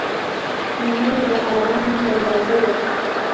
منل د آرام دروازه ده.